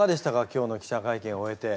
今日の記者会見終えて。